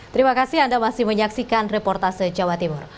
terima kasih anda masih menyaksikan reportase jawa timur